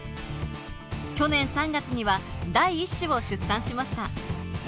去年３月には第一子を出産しました。